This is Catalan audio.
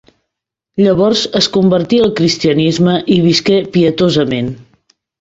Llavors, es convertí al cristianisme i visqué pietosament.